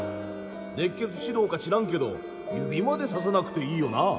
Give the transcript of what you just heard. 熱血指導か知らんけど指までささなくていいよな。